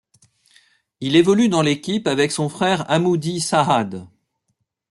Il évolue dans l'équipe avec son frère Hamoody Saad.